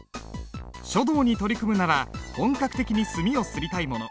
書道に取り組むなら本格的に墨を磨りたいもの。